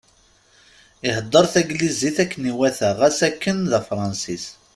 Ihedder taglizit akken iwata ɣas akken d Afransis.